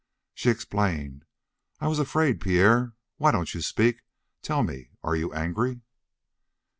She explained: "I was afraid Pierre! Why don't you speak? Tell me, are you angry?"